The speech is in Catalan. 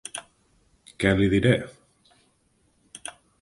Què li diré?